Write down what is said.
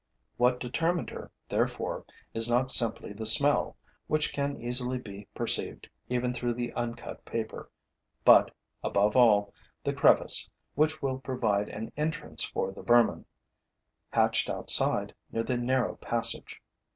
What determined her, therefore, is not simply the smell, which can easily be perceived even through the uncut paper, but, above all, the crevice, which will provide an entrance for the vermin, hatched outside, near the narrow passage.